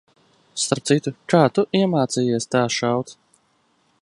Starp citu, kā tu iemācījies tā šaut?